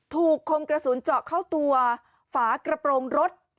คมกระสุนเจาะเข้าตัวฝากระโปรงรถ